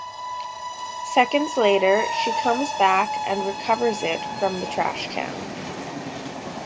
Seconds later she comes back and recovers it from the trash can.